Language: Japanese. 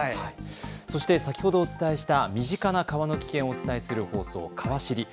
そして、先ほどお伝えした身近な川の危険をお伝えする放送「かわ知り」